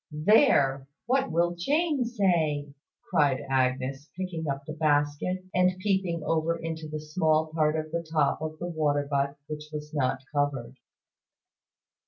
"There! What will Jane say?" cried Agnes, picking up the basket, and peeping over into the small part of the top of the water butt which was not covered.